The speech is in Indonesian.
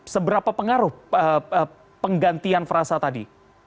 seberapa pengaruh penggantian frasa tadi